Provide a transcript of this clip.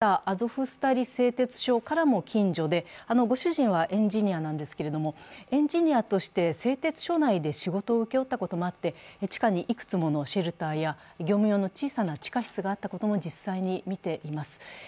また、攻撃を受けたアゾフスタリ製鉄所からも近所でご主人はエンジリアなんですけれども、エンジニアとして製鉄所内で仕事を請け負ったこともあって、地下にいくつものシェルターや業務用の地下室があったことも実際に見ています。